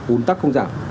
ún tắc không giảm